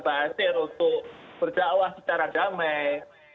ba'asyir untuk berdakwah secara damai